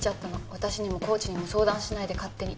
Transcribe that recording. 私にもコーチにも相談しないで勝手に。